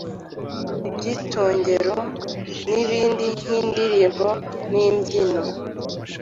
ibitongero n’ibindi nk’indirimbo n’imbyino,